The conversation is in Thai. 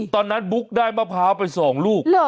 ตอนนั้นบุ๊กได้มะพร้าวไปสองลูก